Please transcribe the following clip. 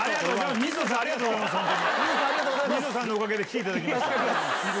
水野さんのおかげで来ていただきました。